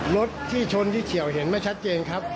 รถที่ชนที่เฉียวเห็นไม่ชัดเจนครับ